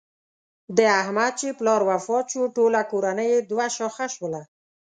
د احمد چې پلار وفات شو ټوله کورنۍ یې دوه شاخه شوله.